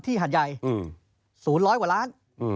ที่หันใหญ่๐ร้อยกว่าล้าน